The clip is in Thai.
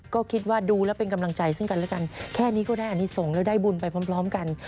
ก็คิดว่าดูแล้วเป็นกำลังใจซึ่งกันแล้วกันแค่นี้ก็ได้อันนี้ส่งแล้วได้บุญไปพร้อมกัน